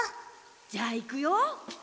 じゃあいくよ。